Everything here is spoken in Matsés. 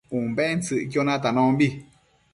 Umbentsëcquio natanombi